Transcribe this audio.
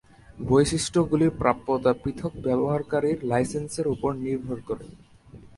বৈশিষ্ট্যগুলির প্রাপ্যতা পৃথক ব্যবহারকারীর লাইসেন্সের উপর নির্ভর করে।